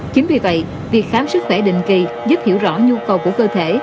chính vì vậy việc khám sức khỏe định kỳ giúp hiểu rõ nhu cầu của cơ thể